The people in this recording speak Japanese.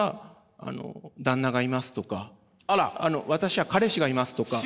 私は彼氏がいますとか。